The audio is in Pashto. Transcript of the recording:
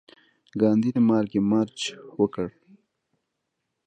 ګاندي د مالګې مارچ وکړ.